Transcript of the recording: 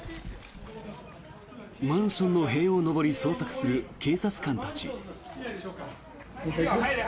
マンションの塀を登り捜索する警察官たち。